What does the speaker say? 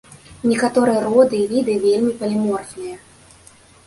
Некаторыя роды і віды вельмі паліморфныя.